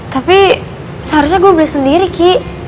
tapi seharusnya gue beli sendiri ki